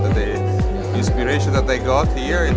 dan inspirasi yang mereka dapatkan di sini